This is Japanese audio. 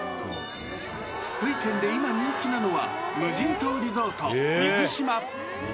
福井県で今人気なのは、無人島リゾート、水島。